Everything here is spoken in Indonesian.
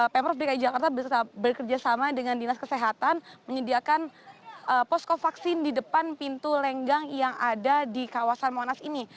pemprov dki jakarta bisa bekerjasama dengan dinas kesehatan menyediakan posko vaksin di depan pintu lenggang yang ada di kawasan monas ini